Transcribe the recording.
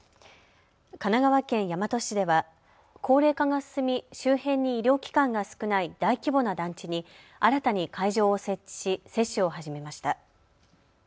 神奈川県大和市では高齢化が進み、周辺に医療機関が少ない大規模な団地に新たに会場を設置し接種を始めました。